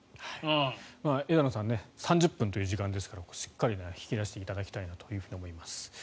枝野さん３０分という時間ですからしっかり引き出していただきたいなと思います。